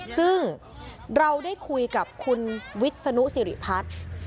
ซึ่งเราได้คุยกับคุณวิศนุสิริพัฒน์